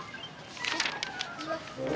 oh yang ini